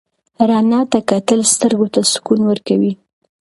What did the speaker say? رڼا ته کتل سترګو ته سکون ورکوي.